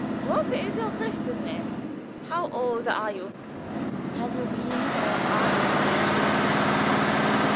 What is your Christian name? How old are you? Have you been or are you engaged to be married?